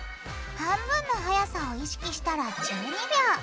半分のはやさを意識したら１２秒。